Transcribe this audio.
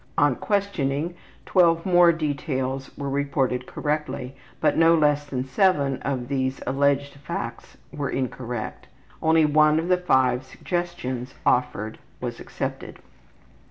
On questioning twelve more details were reported correctly, but no less than seven of these alleged facts were incorrect. Only one out of the five suggestions offered was accepted.